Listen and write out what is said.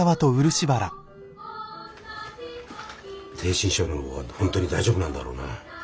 逓信省の方は本当に大丈夫なんだろうな？